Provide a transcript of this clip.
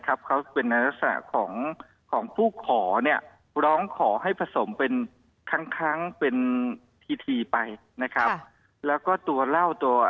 คือคอกเทลเนี่ยนะครับเค้าเป็นลักษณะ